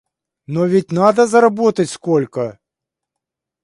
Но ведь надо заработать сколько!